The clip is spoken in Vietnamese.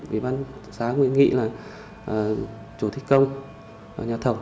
ubnd xã nguyễn nghị là chủ thi công nhà thầu